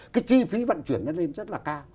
cái chi phí vận chuyển nhân lên rất là cao